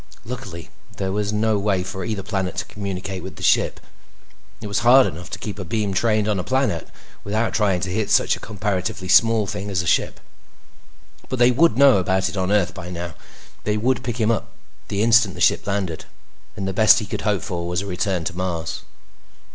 Luckily, there was no way for either planet to communicate with the ship; it was hard enough to keep a beam trained on a planet without trying to hit such a comparatively small thing as a ship. But they would know about it on Earth by now. They would pick him up the instant the ship landed. And the best he could hope for was a return to Mars.